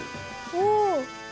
おお！